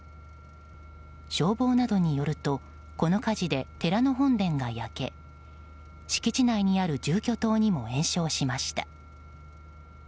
消防などによるとこの火事で寺の本殿が焼け敷地内にある住居棟にも延焼しました。